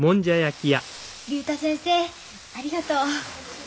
竜太先生ありがとう。